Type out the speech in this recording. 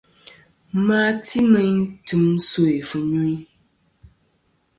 Ma ti meyn tim sœ̀ fɨnyuyn.